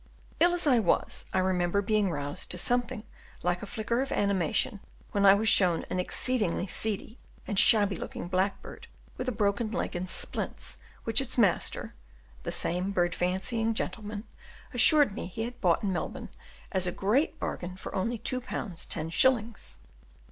Ill as I was, I remember being roused to something like a flicker of animation when I was shown an exceedingly seedy and shabby looking blackbird with a broken leg in splints, which its master (the same bird fancying gentleman) assured me he had bought in Melbourne as a great bargain for only 2 pounds 10 shillings!